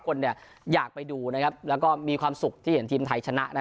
คนเนี่ยอยากไปดูนะครับแล้วก็มีความสุขที่เห็นทีมไทยชนะนะ